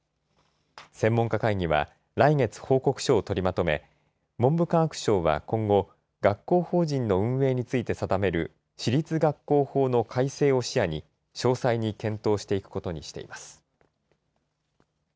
専門家会議は、来月、報告書を取りまとめ、文部科学省は今後、学校法人の運営について定める私立学校法の改正を視野に、詳細に検討していくことにしています。